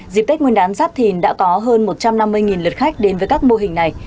dịp tết nguyên đán giáp thìn đã có hơn một trăm năm mươi lượt khách đến với các mô hình này